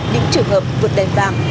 đến trường hợp vượt đèn vàng